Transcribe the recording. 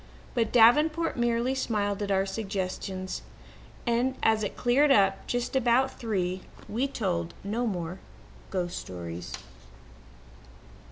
But Davenport merely smiled at all our suggestions and, as it cleared up just about three, we told no more ghost stories.